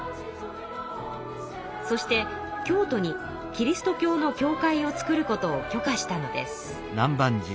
そして京都にキリスト教の教会を造ることを許可したのです。